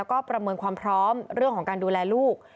ก็ประเมินความพร้อมเรื่องของการดูแลลูก